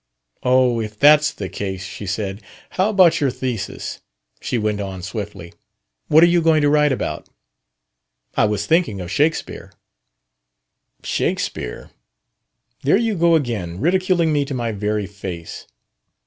"Oh, if that's the case..." she said. "How about your thesis?" she went on swiftly. "What are you going to write about?" "I was thinking of Shakespeare." "Shakespeare! There you go again! Ridiculing me to my very face!"